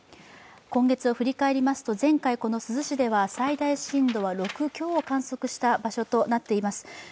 今月を振り返りますと前回、珠洲市では最大震度は６強を観測した場所となっています。